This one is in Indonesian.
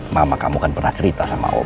mama kamu kan pernah cerita sama allah